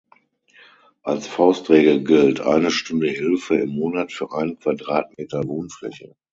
Als Faustregel gilt eine Stunde Hilfe im Monat für einen Quadratmeter Wohnfläche.